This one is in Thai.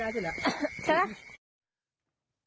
ใช่หรอ